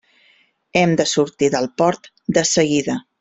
Hem de sortir del port de seguida.